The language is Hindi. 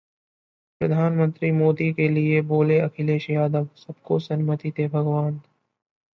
प्रधानमंत्री मोदी के लिए बोले अखिलेश यादव, 'सबको सन्मति दे भगवान'